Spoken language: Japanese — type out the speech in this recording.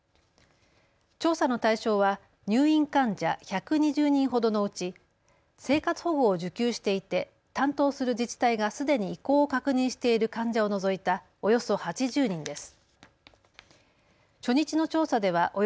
調査の対象は入院患者１２０人ほどのうち生活保護を受給していて担当する自治体がすでに意向を確認している患者を除いたおよそ８０人です。